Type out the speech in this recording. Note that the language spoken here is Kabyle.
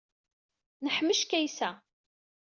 Neḥmec Kaysa.